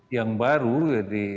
yang baru jadi